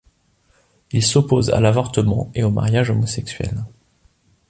Il s'oppose à l'avortement et au mariage homosexuel.